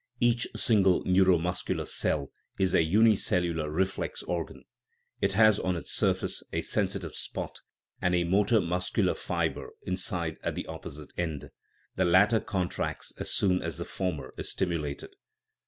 Each single neuro muscular cell is a " unicellular reflex organ "; it has on its surface a sensitive spot, and a motor muscular fibre inside at the opposite end; the latter contracts as soon as the former is stimulated.